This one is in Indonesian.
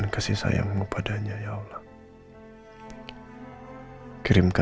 dimanapun ia berada